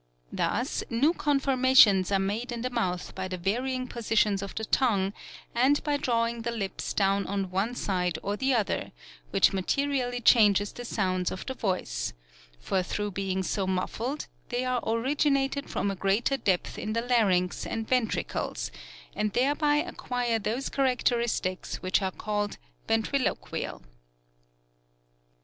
Thus, new conformations are made in the mouth by the varying positions of the tongue and by drawing the lips down on one side or the other, which materially changes the sounds of the voice, for through being so muffled they are originated from a greater depth in the larynx and ventricles, and thereby acquire those characteristics which are called ventriloquial.